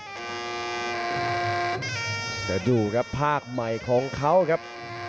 เดี๋ยวดูครับภาคใหม่ของเขาครับ